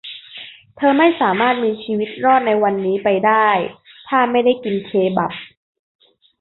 เธอไม่สามารถมีชีวิตรอดในวันนี้ไปได้ถ้าไม่ได้กินเคบับ